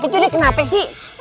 itu dia kenapa sih